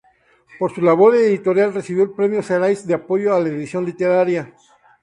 Por su labor editorial recibió el premio Xerais de apoyo a la edición literaria.